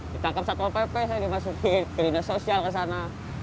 ditangkap satu pp saya dimasuki kelina sosial ke sana